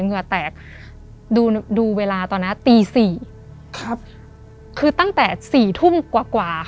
เหงื่อแตกดูเวลาตอนนั้นตี๔คือตั้งแต่๔ทุ่มกว่าค่ะ